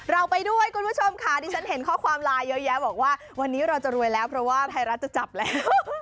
เราไปด้วยคุณผู้ชมค่ะดิฉันเห็นข้อความไลน์เยอะแยะบอกว่าวันนี้เราจะรวยแล้วเพราะว่าไทยรัฐจะจับแล้ว